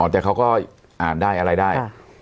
แต่เขาก็อ่านได้อะไรได้